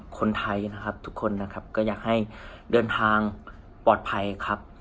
คนไทยนะครับทุกคนนะครับก็อยากให้เดินทางปลอดภัยครับ